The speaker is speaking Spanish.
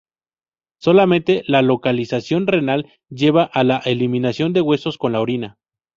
Solamente la localización renal lleva a la eliminación de huevos con la orina.